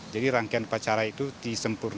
jadi rangkaian pacara itu